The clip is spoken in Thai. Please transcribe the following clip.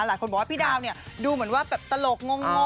หลายคนบอกว่าพี่ดาวเนี่ยดูเหมือนว่าแบบตลกงง